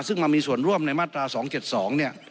ซึ่งมามีส่วนร่วมในมาตรา๒๗๒เนี่ย